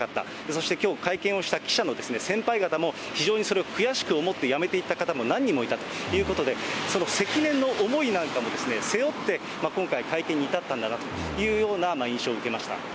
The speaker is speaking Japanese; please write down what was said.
そしてきょう、会見をした記者の先輩方も、非常にそれを悔しく思って辞めていった方も何人もいたということで、その積年の思いなんかも背負って、今回、会見に至ったんだなというような印象を受けました。